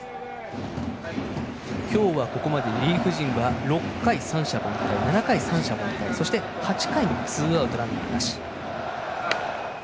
今日は、ここまでリリーフ陣は６回三者凡退７回三者凡退８回もツーアウト、ランナーなし。